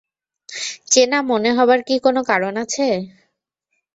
চেনা মনে হবার কি কোনো কারণ আছে?